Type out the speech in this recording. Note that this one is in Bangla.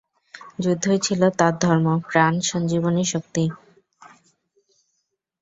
যুদ্ধই ছিল তার ধর্ম, প্রাণ সঞ্জীবনী শক্তি।